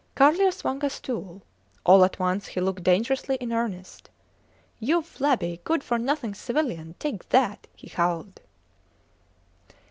Carlier swung a stool. All at once he looked dangerously in earnest. You flabby, good for nothing civilian take that! he howled.